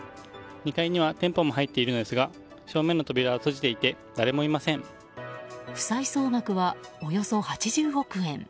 ２階には店舗も入っているのですが正面の扉は閉じていて負債総額はおよそ８０億円。